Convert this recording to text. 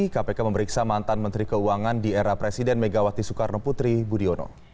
kpk memeriksa mantan menteri keuangan di era presiden megawati soekarno putri budiono